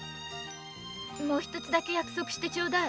もう一つだけ約束してちょうだい。